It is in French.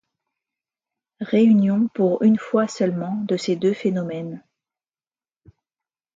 Réunion pour une fois seulement de ces deux phénomènes.